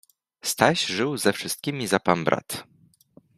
Staś żył ze wszystkimi za pan brat.